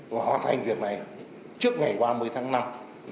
và hoàn thành việc này trước ngày ba mươi tháng năm năm hai nghìn hai mươi bốn